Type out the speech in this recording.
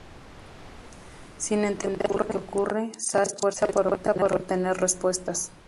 Sin entender lo que ocurre, Zach se esfuerza por obtener respuestas.